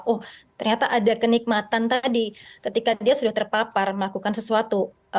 oh ternyata ada kenikmatan tadi ketika dia sudah terpapar melakukan sesuatu